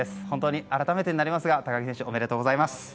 本当に改めてになりますが高木選手おめでとうございます。